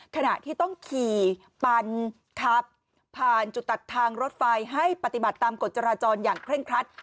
ขณะที่ต้องขี่ปันขับผ่านจุดตัดทางรถไฟให้ปฏิบัติตามกฎจราจรอย่างเคร่งครัด